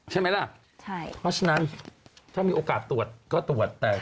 ใช่ไหมล่ะใช่